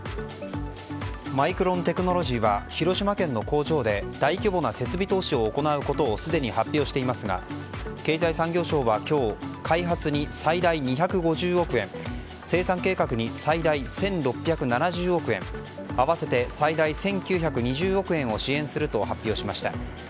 マイクロン・テクノロジーは広島県の工場で大規模な設備投資を行うことをすでに発表していますが経済産業省は今日開発に最大２５０億円生産計画に最大１６７０億円合わせて最大１９２０億円を支援すると発表しました。